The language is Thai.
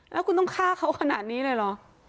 แล้วคุณต้องฆ่าเขาขนาดนี้เลยเหรอ